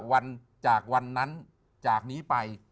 วันจากวันนั้นจากนี้ไป